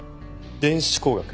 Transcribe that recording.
電子工学。